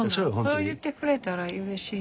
そう言ってくれたらうれしいよね。